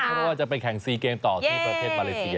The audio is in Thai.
เพราะว่าจะไปแข่งซีเกมต่อที่ประเทศมาเลเซีย